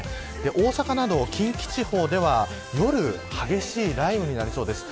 大阪などの近畿地方では夜、激しい雷雨になりそうです。